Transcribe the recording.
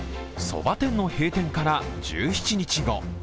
そば店の閉店から１７日後。